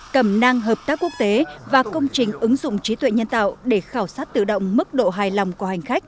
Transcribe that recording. cầm năng hợp tác quốc tế và công trình ứng dụng trí tuệ nhân tạo để khảo sát tự động mức độ hài lòng của hành khách